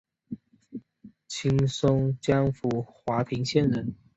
清松江府华亭县人。